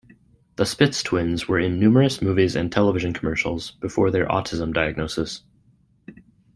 The Spitz twins were in numerous movies and television commercials before their autism diagnosis.